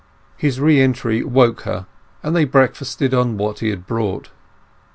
His re entry awoke her; and they breakfasted on what he had brought.